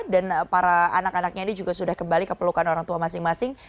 dan para anak anaknya ini juga sudah kembali keperlukan orang tua masing masing